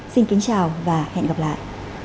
xin kính chào và hẹn gặp lại